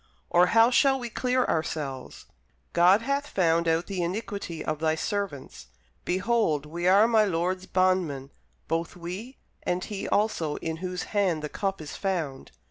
or how shall we clear ourselves? God hath found out the iniquity of thy servants: behold, we are my lord's bondmen, both we, and he also in whose hand the cup is found.